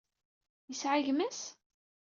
Yesɛa gma-s?